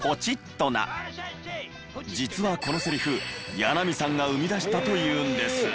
実はこのセリフ八奈見さんが生み出したというんです。